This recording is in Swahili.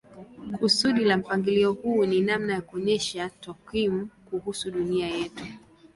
Kusudi la mpangilio huu ni namna ya kuonyesha takwimu kuhusu dunia yetu.